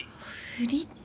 ふりって。